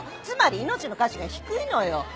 つまり命の価値が低いのよ。